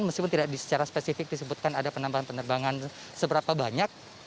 meskipun tidak secara spesifik disebutkan ada penambahan penerbangan seberapa banyak